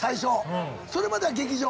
それまでは劇場。